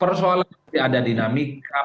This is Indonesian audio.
persoalan nanti ada perusahaan